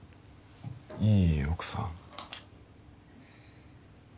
いい奥さん？